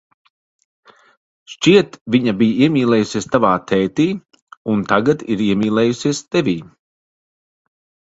Šķiet, viņa bija iemīlējusies tavā tētī un tagad ir iemīlējusies tevī.